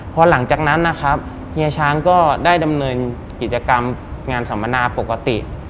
พอหลังจากนั้นนะครับเฮียช้างก็ได้ดำเนินกิจกรรมงานสัมมนาปกติ